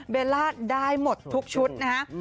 เวลาได้หมดทุกชุดนะฮะ